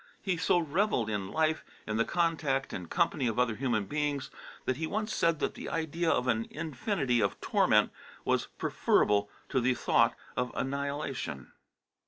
He so revelled in life, in the contact and company of other human beings, that he once said that the idea of an infinity of torment was preferable to the thought of annihilation.